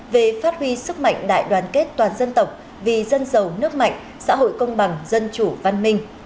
về phát huy sức mạnh đại đoàn kết toàn dân tộc vì dân giàu nước mạnh xã hội công bằng dân chủ văn minh